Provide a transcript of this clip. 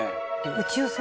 宇宙船？